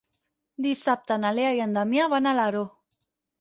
Dissabte na Lea i en Damià van a Alaró.